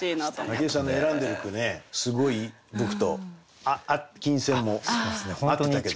武井さんの選んでる句ねすごい僕と琴線も合ってたけど。